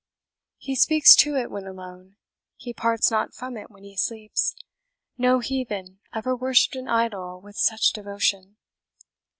He speaks to it when alone he parts not from it when he sleeps no heathen ever worshipped an idol with such devotion."